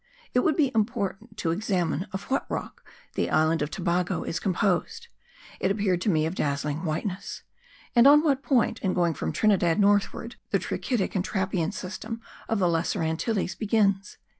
It would be important to examine of what rock the island of Tobago is composed; it appeared to me of dazzling whiteness; and on what point, in going from Trinidad northward, the trachytic and trappean system of the Lesser Antilles begins.)